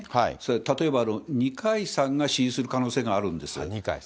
例えば二階さんが支持する可能性があるんですよ。